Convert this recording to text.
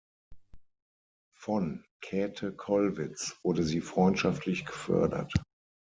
Von Käthe Kollwitz wurde sie freundschaftlich gefördert.